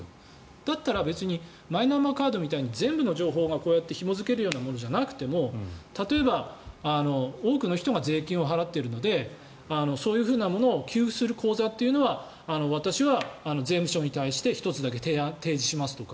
だったらマイナンバーカードじゃなくて全部の情報がひも付けるようなものじゃなくても例えば多くの人が税金を払っているのでそういうものを給付する口座は私は税務署に対して１つだけ提示しますとか